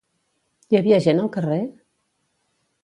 Hi havia gent al carrer?